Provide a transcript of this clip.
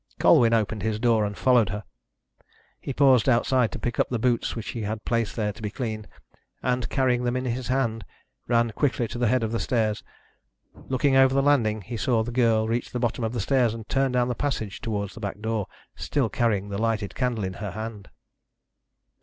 Colwyn opened his door and followed her. He paused outside to pick up the boots which he had placed there to be cleaned, and carrying them in his hand, ran quickly to the head of the stairs. Looking over the landing, he saw the girl reach the bottom of the stairs and turn down the passage towards the back door, still carrying the lighted candle in her hand.